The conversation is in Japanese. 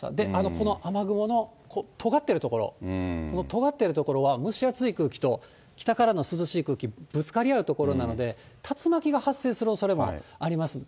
この雨雲のとがっている所、このとがってる所は蒸し暑い空気と北からの涼しい空気、ぶつかり合う所なので、竜巻が発生するおそれもあります。